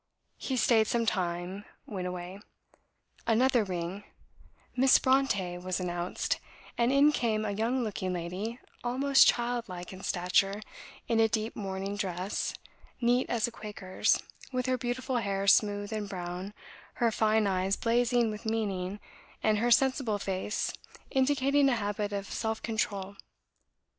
he stayed some time went away. Another ring; "Miss Brontë was announced; and in came a young looking lady, almost child like in stature, in a deep mourning dress, neat as a Quaker's, with her beautiful hair smooth and brown, her fine eyes blazing with meaning and her sensible face indicating a habit of self control."